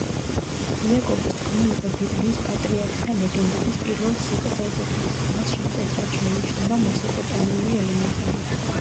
იაკობის თქმულება ბიბლიის პატრიარქთა ლეგენდების პირველ ციკლს ეკუთვნის; მასში მკვეთრად შეინიშნება მესოპოტამიური ელემენტები.